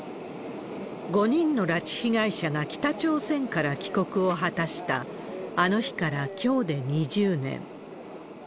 ５人の拉致被害者が北朝鮮から帰国を果たしたあの日からきょうで２０年。